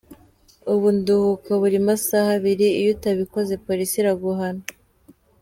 Ubu nduhuka buri masaha abiri, iyo utabikoze polisi iraguhana.